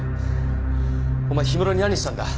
お前氷室に何したんだ？